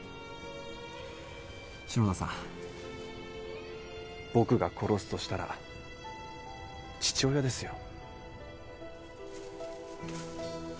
篠田さん僕が殺すとしたら父親ですよ。